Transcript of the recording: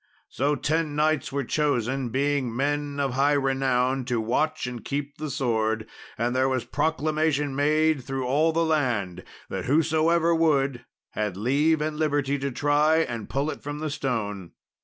So ten knights were chosen, being men of high renown, to watch and keep the sword; and there was proclamation made through all the land that whosoever would, had leave and liberty to try and pull it from the stone.